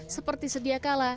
seperti sedia kala